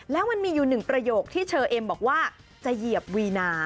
แล้วมันมีอยู่หนึ่งประโยคที่เชอเอ็มบอกว่าจะเหยียบวีนา